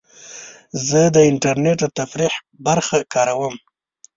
زه د انټرنیټ د تفریح برخه کاروم.